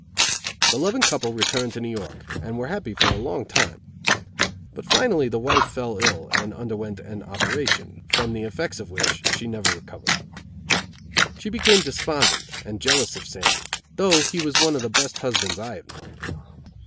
The loving couple returned to New York, and were happy for a long time. But finally the wife fell ill, and under went an operation, from the effects of which she never recovered. She became despondent and jealous of Sammy, though he was one of the best husbands I have known.